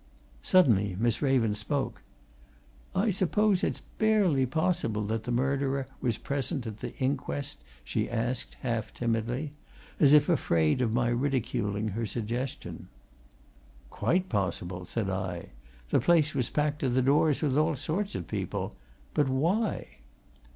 Suddenly Miss Raven spoke. "I suppose it's scarcely possible that the murderer was present at that inquest?" she asked, half timidly, as if afraid of my ridiculing her suggestion. "Quite possible," said I. "The place was packed to the doors with all sorts of people. But why?"